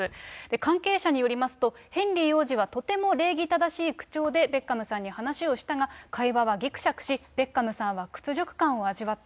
関係者によりますと、ヘンリー王子はとても礼儀正しい口調でベッカムさんに話をしたが、会話はぎくしゃくし、ベッカムさんは屈辱感を味わった。